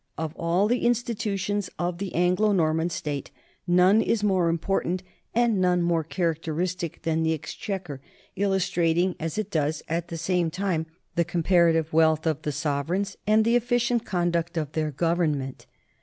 Of all the institutions of the Anglo Norman state, none is more important and none more characteristic than the exchequer, illustrating as it does at the same time the comparative wealth of the sover eigns and the efficient conduct of their government.